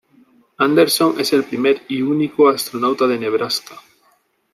Anderson es el primer y único astronauta de Nebraska.